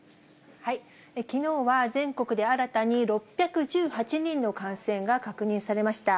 きのうは全国で新たに６１８人の感染が確認されました。